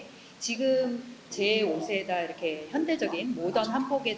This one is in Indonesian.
tapi ketika kami bertemu dengan batik